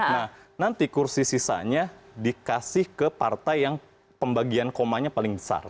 nah nanti kursi sisanya dikasih ke partai yang pembagian komanya paling besar